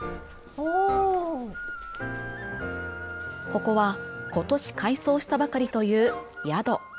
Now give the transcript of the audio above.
ここはことし改装したばかりという宿。